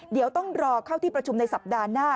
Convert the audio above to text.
เดี๋ยวต้องรอเข้าที่ประชุมในสัปดาห์หน้า